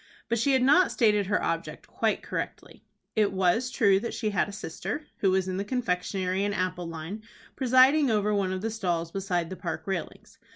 But she had not stated her object quite correctly. It was true that she had a sister, who was in the confectionery and apple line, presiding over one of the stalls beside the Park railings.